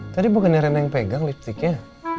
tadi bukannya rena yang pegang lipsticknya